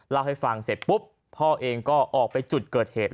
เล่าให้ฟังเสร็จปุ๊บพ่อเองก็ออกไปจุดเกิดเหตุ